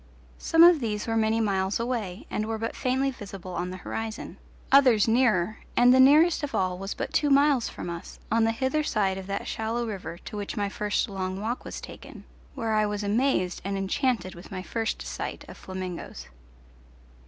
Some of these were many miles away and were but faintly visible on the horizon, others nearer, and the nearest of all was but two miles from us, on the hither side of that shallow river to which my first long walk was taken, where I was amazed and enchanted with my first sight of flamingoes.